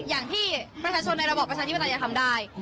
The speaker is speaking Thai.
อย่างที่ประชาชนในระบอบประชาธิปไตยจะทำได้